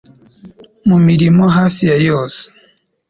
mu mirimo hafi ya yose